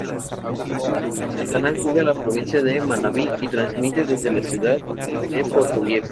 El canal cubre la provincia de Manabí y transmite desde la ciudad de Portoviejo.